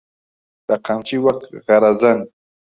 بەقەمچی وەک خەرەزەن